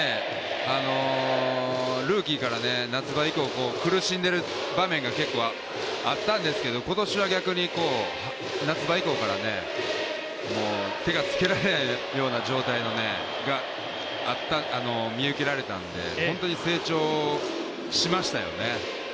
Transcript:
ルーキーから夏場以降苦しんでいる場面があったんですけど今年は逆に、夏場以降から手がつけられないような状態が見受けられたので本当に成長しましたよね。